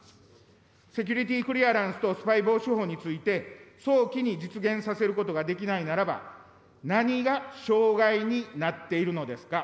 セキュリティ・クリアランスとスパイ防止法について、早期に実現させることができないならば、何が障害になっているのですか。